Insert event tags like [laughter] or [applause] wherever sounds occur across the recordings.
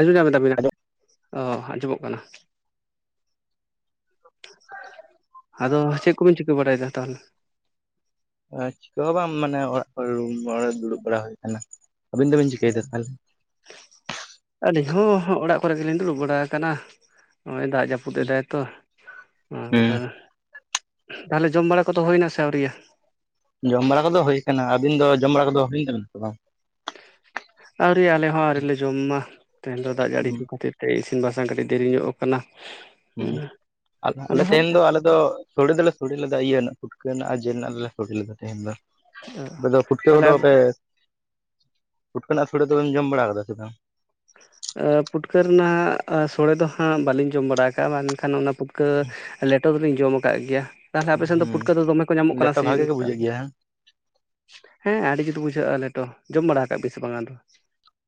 ᱟᱸᱡᱚᱢ ᱧᱟᱢ ᱮᱫᱟᱵᱤᱱ? ᱚ ᱟᱸᱡᱚᱢᱚᱜ ᱠᱟᱱᱟ᱾ ᱟᱫᱚ ᱪᱮᱫ ᱠᱚᱵᱤᱱ ᱪᱤᱠᱟᱹ ᱵᱟᱲᱟᱭᱮᱫᱟ ᱛᱟᱦᱚᱞᱮ? ᱪᱤᱠᱟᱹ ᱦᱚᱸ ᱵᱟᱝ ᱢᱟᱱᱮ ᱚᱲᱟᱜ ᱠᱚᱨᱮ ᱜᱮ ᱫᱩᱲᱩᱵ ᱵᱟᱲᱟ ᱦᱩᱭ ᱟᱠᱟᱱᱟ᱾ ᱟᱵᱤᱱ ᱫᱚᱵᱤᱱ ᱪᱤᱠᱟᱹᱭᱮᱫᱟ ᱛᱟᱦᱚᱞᱮ? ᱟᱹᱞᱤᱧ ᱦᱚᱸ ᱚᱲᱟᱜ ᱠᱚᱨᱮ ᱜᱮᱞᱤᱧ ᱫᱩᱲᱩᱵ ᱵᱟᱲᱟ ᱟᱠᱟᱱᱟ᱾ ᱱᱚᱜᱼᱚᱭ ᱫᱟᱜ ᱡᱟᱯᱩᱫᱽ [unintelligible] ᱫᱟᱭ ᱛᱚ ᱟᱨ ᱦᱮᱸ ᱛᱟᱦᱚᱞᱮ ᱡᱚᱢ ᱵᱟᱲᱟ ᱠᱚᱫᱚ ᱦᱩᱭ ᱮᱱᱟ ᱥᱮ ᱟᱹᱣᱨᱤᱭᱟᱹ? ᱡᱚᱢ ᱵᱟᱲᱟ ᱠᱚᱫᱚ ᱦᱩᱭ ᱟᱠᱟᱱᱟ᱾ ᱟᱵᱤᱱ ᱫᱚ ᱡᱚᱢ ᱵᱟᱲᱟ ᱠᱚᱫᱚ ᱦᱩᱭ ᱠᱟᱱᱟ ᱥᱮ ᱵᱟᱝ? ᱟᱹᱣᱨᱤ ᱟᱞᱮ ᱦᱚᱸ ᱟᱣᱨᱤ ᱞᱮ ᱡᱚᱢᱟ ᱛᱮᱦᱮᱧ ᱫᱚ ᱫᱟᱜ ᱡᱟᱹᱲᱤ ᱠᱚ ᱠᱷᱟᱹᱛᱤᱨ᱾ ᱥᱮ ᱤᱥᱤᱱ ᱵᱟᱥᱟᱝ ᱠᱟᱹᱴᱤᱡ ᱫᱮᱨᱤᱧᱚᱜ ᱟᱠᱟᱱᱟ᱾ ᱦᱩᱸ ᱟᱫᱚ ᱦᱟᱸᱜ [unintelligible] ᱫᱚ ᱫᱚ ᱥᱚᱲᱮ ᱫᱚᱞᱮ ᱥᱚᱲᱮ ᱞᱮᱫᱟ᱾ ᱤᱭᱟᱹ ᱨᱮᱱᱟᱜ ᱯᱷᱩᱴᱠᱟᱹ ᱨᱮᱱᱟᱜ ᱟᱨ ᱡᱤᱞ ᱨᱮᱱᱟᱜ ᱫᱚᱞᱮ ᱥᱚᱲᱮ ᱞᱮᱫᱟ ᱛᱮᱦᱮᱧ ᱫᱚ᱾ ᱟᱯᱮ ᱫᱚ ᱯᱷᱩᱴᱠᱟᱹ ᱛᱟᱦᱚᱞᱮ ᱠᱚᱫᱚ ᱯᱮ ᱯᱷᱩᱴᱠᱟᱹ ᱨᱮᱱᱟᱜ ᱥᱳᱲᱮ ᱫᱚᱢ ᱡᱚᱢ ᱵᱟᱲᱟ ᱠᱟᱫᱟ ᱥᱮ ᱵᱟᱝ? ᱯᱩᱴᱠᱟᱹ ᱨᱮᱱᱟᱜ ᱥᱳᱲᱮ ᱫᱚ ᱦᱟᱸᱜ ᱵᱟᱹᱞᱤᱧ ᱡᱚᱢ ᱵᱟᱲᱟ ᱠᱟᱜᱼᱟ᱾ ᱢᱮᱱᱠᱷᱟᱱ ᱚᱱᱟ ᱯᱩᱴᱠᱟᱹ ᱞᱮᱴᱚ ᱫᱚᱞᱤᱧ ᱡᱚᱢ ᱟᱠᱟᱫ ᱜᱮᱭᱟ᱾ ᱛᱟᱦᱚᱞᱮ ᱟᱯᱮ ᱥᱮᱱ ᱫᱚ ᱦᱩᱸ ᱯᱷᱩᱴᱠᱟᱹ ᱫᱚ ᱫᱚᱢᱮ ᱠᱚ ᱧᱟᱢᱚᱜ ᱠᱟᱱᱟ ᱞᱮᱴᱚ ᱥᱮ ᱵᱷᱟᱜᱮ ᱜᱮ ᱱᱮᱛᱟᱨ ᱵᱩᱡᱷᱟᱹᱜ ᱫᱚ? ᱜᱮᱭᱟ ᱦᱮᱸ ᱦᱮᱸ ᱟᱹᱰᱤ ᱡᱩᱛ ᱵᱩᱡᱷᱟᱹᱜᱼᱟ ᱞᱮᱴᱚ᱾ ᱡᱚᱢ ᱵᱟᱲᱟ ᱟᱠᱟᱫ ᱵᱤᱱ ᱥᱮ ᱵᱟᱝᱟ ᱟᱫᱚ?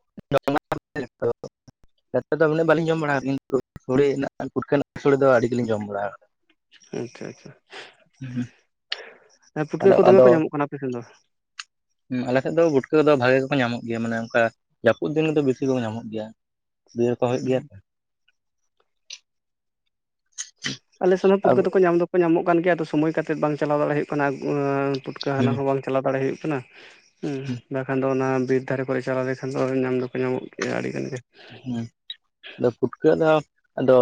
[inaudible] [unintelligible] ᱫᱚ ᱩᱱᱟᱹᱜ ᱵᱟᱹᱞᱤᱧ ᱡᱚᱢ ᱵᱟᱲᱟᱣᱟ᱾ ᱠᱤᱱᱛᱩ ᱥᱚᱲᱮ ᱯᱩᱴᱠᱟᱹ ᱨᱮᱱᱟ ᱥᱳᱲᱮ ᱫᱚ ᱟᱹᱰᱤ ᱜᱮᱞᱤᱧ ᱡᱚᱢ ᱵᱟᱲᱟᱣ ᱟᱠᱟᱫᱟ᱾ ᱟᱪᱪᱷᱟ ᱟᱪᱪᱷᱟ᱾ [inaudible] ᱯᱩᱴᱠᱟᱹ ᱠᱚ ᱫᱚᱢᱮ ᱠᱚ ᱧᱟᱢᱚᱜ ᱠᱟᱱᱟ ᱟᱯᱮ ᱥᱮᱱ ᱫᱚ ᱦᱮᱸ ᱟᱞᱮ ᱥᱮᱫ ᱫᱚ ᱜᱩᱴᱠᱟᱹᱫᱚ ᱵᱷᱟᱜᱮ ᱜᱮᱠᱚ ᱧᱟᱢᱚᱜ ᱜᱮᱭᱟ ᱢᱟᱱᱮ ᱚᱱᱠᱟ ᱡᱟᱹᱯᱩᱫ ᱫᱤᱱ ᱨᱮᱫᱚ ᱵᱮᱥᱤ ᱠᱚ ᱧᱟᱢᱚᱜ ᱜᱮᱭᱟ ᱫᱤ ᱨᱠᱟ ᱦᱩᱭᱩᱜ ᱜᱮᱭᱟ ᱥᱮ। ᱟᱞᱮᱥᱱ ᱦᱚᱸ ᱯᱩᱴᱠᱟᱹ ᱟᱵᱚ ᱫᱚᱠᱚ ᱧᱟᱢ ᱫᱚᱠᱚ ᱧᱟᱢᱚᱜ ᱠᱟᱱ ᱜᱮᱭᱟ ᱟᱫᱚ ᱥᱚᱢᱳᱚᱭ ᱠᱟᱛᱮᱫ ᱵᱟᱝ ᱪᱟᱞᱟᱣ ᱫᱟᱲᱮᱭᱟᱜ ᱦᱩᱭᱩᱜ ᱠᱟᱱᱟ ᱯᱩᱴᱠᱟᱹ ᱦᱩᱸ ᱦᱟᱞᱟᱝ ᱦᱚᱸ ᱵᱟᱝ ᱪᱟᱞᱟᱣ ᱫᱟᱲᱮ ᱦᱩᱭᱩᱜ ᱠᱟᱱᱟ ᱦᱩᱸ ᱵᱟᱠᱷᱟᱱ ᱫᱚ ᱚᱱᱟ ᱵᱤᱨ ᱫᱟᱨᱮ ᱠᱚᱨᱮ ᱪᱟᱞᱟᱣ ᱞᱮᱠᱷᱟᱱ ᱫᱚ ᱧᱟᱢ ᱫᱚᱠᱚ ᱧᱟᱢᱚᱜ ᱜᱮᱭᱟ ᱟᱹᱰᱤ ᱜᱟᱱ ᱜᱮ ᱦᱩᱸ ᱟᱫᱚ ᱯᱩᱴᱠᱟᱹ ᱫᱚ ᱟᱫᱚ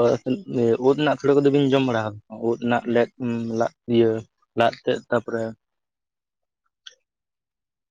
ᱩᱫ ᱨᱮᱱᱟᱜ ᱥᱳᱲᱮ ᱠᱚᱫᱚ ᱵᱤᱱ ᱡᱚᱢ ᱵᱟᱲᱟ ᱩᱫ ᱨᱮᱱᱟᱜ ᱞᱮᱫ ᱞᱟᱫ ᱤᱭᱟᱹ ᱞᱟᱫᱽ ᱛᱮᱫ ᱛᱟᱯᱚᱨᱮ